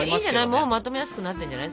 もうまとめやすくなってんじゃない？